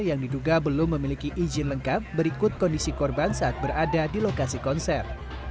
yang diduga belum memiliki izin lengkap berikut kondisi korban saat berada di lokasi konser